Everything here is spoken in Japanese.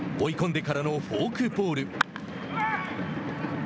追い込んでからのフォークボール。